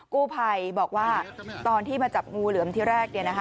กู้ภัยบอกว่าตอนที่มาจับงูเหลือมที่แรก